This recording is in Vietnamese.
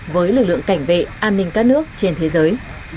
với lực lượng cảnh vệ an ninh các nước trên thế giới